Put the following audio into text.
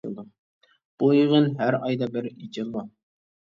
بۇ يىغىن ھەر ئايدا بىر ئېچىلىدۇ.